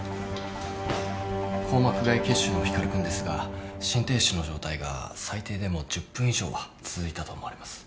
硬膜外血腫の光君ですが心停止の状態が最低でも１０分以上は続いたと思われます。